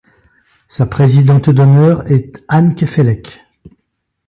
Sa présidente d'honneur est Anne Queffélec.